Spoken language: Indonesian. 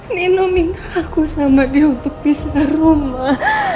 nino minta aku sama dia untuk pisah rumah